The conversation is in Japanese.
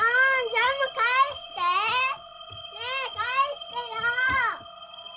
ジャムかえして！ねえかえしてよ！